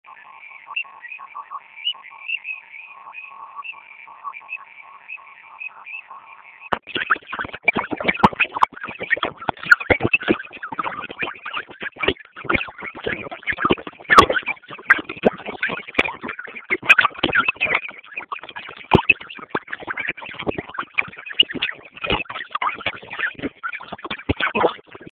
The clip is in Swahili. Asili ya viazi lishe au bora ni kutoka nchi ya Amerika ya Kati na ya Kusini